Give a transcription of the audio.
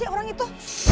siapa sih orang itu